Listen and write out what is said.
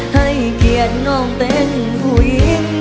ให้เกียรติน้องเป็นผู้หญิง